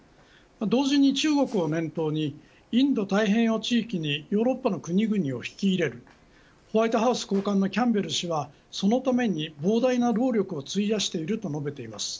同時に中国を念頭にインド太平洋地域にヨーロッパの国々を引き入れるホワイトハウス高官のキャンベル氏はそのために膨大な労力を費やしていると述べています。